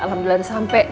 alhamdulillah udah sampai